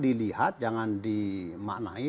dilihat jangan dimaknai